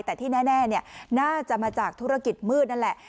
แต่ที่แน่น่าจะมาจากธุรกิจมืดนั่นแหละ